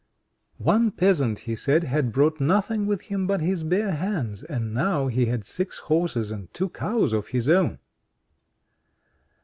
One peasant, he said, had brought nothing with him but his bare hands, and now he had six horses and two cows of his own.